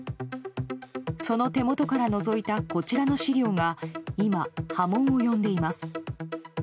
その手元からのぞいたこちらの資料が今、波紋を呼んでいます。